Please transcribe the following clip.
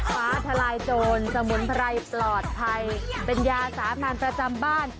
ฟ้าทลายโจรสมุนไพรปลอดภัยเป็นยาสามัญประจำบ้าน